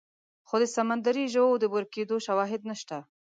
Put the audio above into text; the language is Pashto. خو د سمندري ژوو د ورکېدو شواهد نشته.